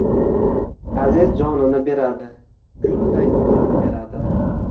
aziz jonini beradi, gulday umrini beradi...